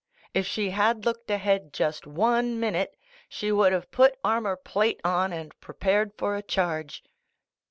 If she had looked ahead just one minute, she would have put armor plate on and prepared for a charge.